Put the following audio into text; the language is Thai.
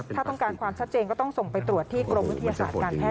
ถ้าต้องการความชัดเจนก็ต้องส่งไปตรวจที่กรมวิทยาศาสตร์การแพท